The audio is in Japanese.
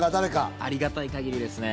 ありがたい限りですね。